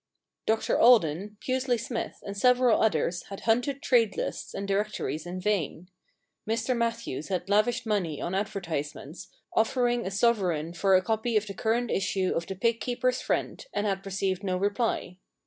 * Dr Alden, Pusely Smythe, and several others had hunted trade lists and directories in vain, Mr Matthews had lavished money on adver tisements, offering a sovereign for a copy of the current issue of The Pig Keepers' Friendy and had received no reply.